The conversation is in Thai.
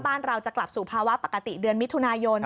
บ้านเราจะกลับสู่ภาวะปกติเดือนมิถุนายน